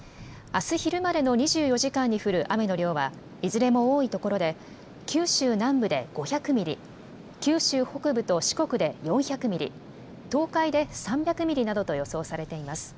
あす昼までの２４時間に降る雨の量は、いずれも多い所で、九州南部で５００ミリ、九州北部と四国で４００ミリ、東海で３００ミリなどと予想されています。